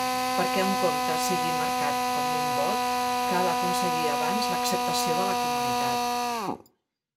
Perquè un compte sigui marcat com un bot cal aconseguir abans l'acceptació de la comunitat.